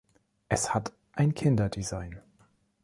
Es hat ein Kinderdesign.